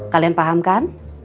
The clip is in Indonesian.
kalian paham kan